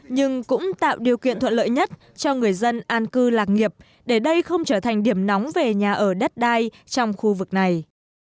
nhưng cũng tạo điều kiện thuận lợi nhất cho người dân an cư lạc nghiệp để đây không trở thành điểm nóng về nhà ở đất đai trong khu vực này